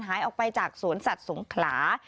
หายออกไปจากสวนสัตว์สงขลา